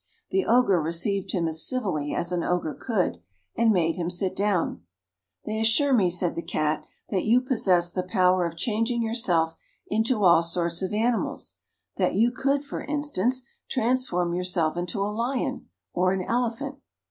The Ogre received him as civilly as an Ogre could, and made him sit down. "They assure me," said the Cat, "that you possess the power of changing yourself into all sorts of animals; that you could, for instance, transform yourself into a lion, or an elephant."